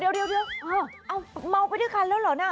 เดี๋ยวเมาไปด้วยคันแล้วเหรอนะ